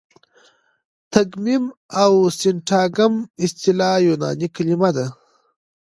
تګمیم او د سینټاګم اصطلاح یوناني کلیمې دي.